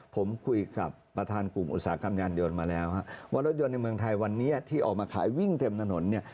ผมคุยกับประธานกลุ่มอุตสาหกรรมยานยนต์มาแล้วฮะว่ารถยนต์ในเมืองไทยวันนี้ที่ออกมาขายวิ่งเต็มถนนเนี่ย